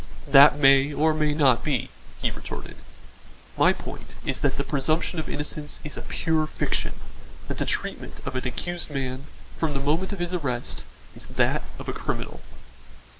"That may or may not be," he retorted. "My point is that the presumption of innocence is a pure fiction; that the treatment of an accused man, from the moment of his arrest, is that of a criminal.